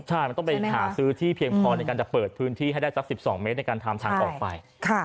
ใช่มันต้องไปหาซื้อที่เพียงพอในการจะเปิดพื้นที่ให้ได้สัก๑๒เมตรในการทำทางออกไป